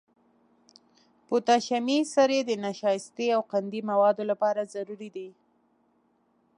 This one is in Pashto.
پوتاشیمي سرې د نشایستې او قندي موادو لپاره ضروري دي.